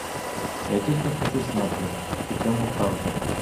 Я тільки хочу знати, чи цьому правда.